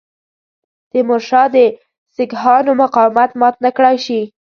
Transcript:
تیمورشاه د سیکهانو مقاومت مات نه کړای شي.